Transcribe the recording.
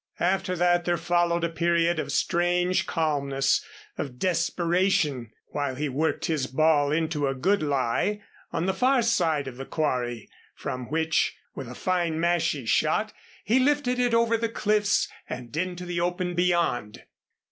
After that there followed a period of strange calmness of desperation, while he worked his ball into a good lie on the far side of the quarry from which, with a fine mashie shot he lifted it over the cliffs and into the open beyond.